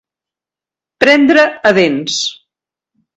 Prendre a dents.